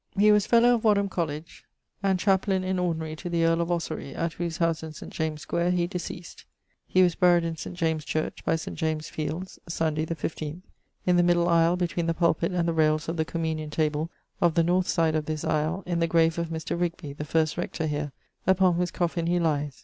He was fellow of Wadham College and chaplain in ordinary to the earle of Ossory, at whose house in St. James' Square he deceased. He was buried in St. James's church by St. James's fields, Sunday the 15th, in the middle aisle between the pulpit and the railes of the communion table of the north side of this aisle, in the grave of Mr. Rigby, the first rector here, upon whose coffin he lies.